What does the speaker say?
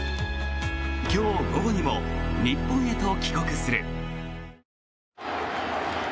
今日午後にも日本へと帰国する。